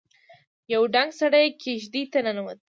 يو دنګ سړی کېږدۍ ته ننوت.